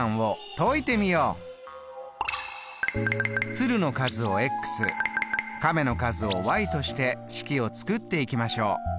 鶴の数を亀の数をとして式を作っていきましょう。